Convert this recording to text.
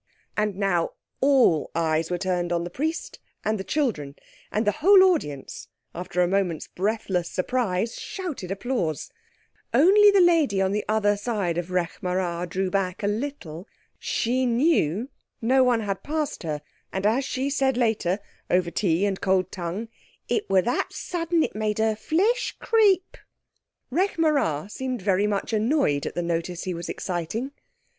And now all eyes were turned on the Priest and the children, and the whole audience, after a moment's breathless surprise, shouted applause. Only the lady on the other side of Rekh marā drew back a little. She knew no one had passed her, and, as she said later, over tea and cold tongue, "it was that sudden it made her flesh creep." Rekh marā seemed very much annoyed at the notice he was exciting.